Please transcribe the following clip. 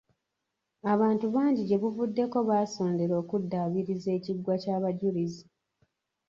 Abantu bangi gye buvuddeko baasondera okuddaabiriza ekiggwa ky'abajulizi.